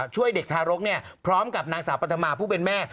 ช่วยเด็กทารกพร้อมกับนางสาวปัธมาผู้เป็นแม่